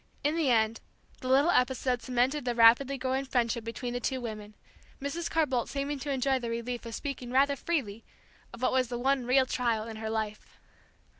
In the end the little episode cemented the rapidly growing friendship between the two women, Mrs. Carr Boldt seeming to enjoy the relief of speaking rather freely of what was the one real trial in her life.